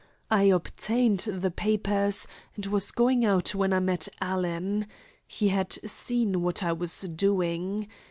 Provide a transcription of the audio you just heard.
I obtained the papers, and was going out when I met Alan. He had seen what I was doing.